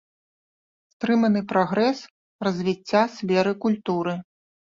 Стрыманы прагрэс развіцця сферы культуры.